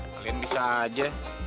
kalian bisa aja